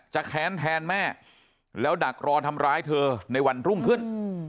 แค้นแทนแม่แล้วดักรอทำร้ายเธอในวันรุ่งขึ้น